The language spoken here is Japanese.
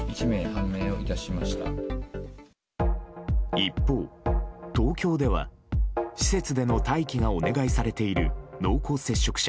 一方、東京では施設での待機がお願いされている濃厚接触者